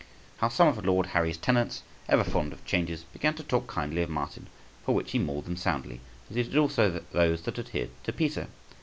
How some of Lord Harry's tenants, ever fond of changes, began to talk kindly of Martin, for which he mauled them soundly, as he did also those that adhered to Peter.